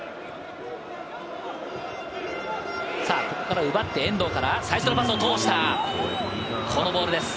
ここから奪って、遠藤から最初のパスを通した、このボールです。